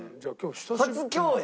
初共演？